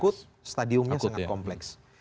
akut stadiumnya sangat kompleks